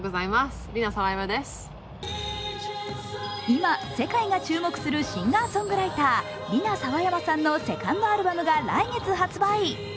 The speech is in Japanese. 今、世界が注目するシンガーソングライターリナ・サワヤマさんのセカンドアルバムが来月発売。